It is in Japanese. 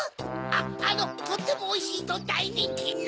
あのとってもおいしいとだいにんきの？